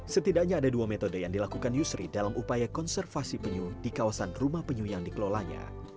setidaknya ada dua metode yang dilakukan yusri dalam upaya konservasi penyu di kawasan rumah penyu yang dikelolanya